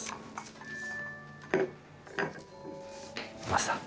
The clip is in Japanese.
マスター。